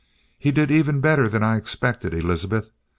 "He did even better than I expected, Elizabeth.